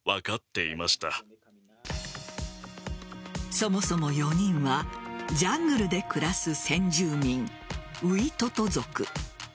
そもそも４人はジャングルで暮らす先住民ウイトト族。